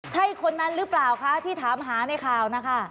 ใช่คนนั้นหรือเปล่าคะที่ถามหาในข่าวนะคะ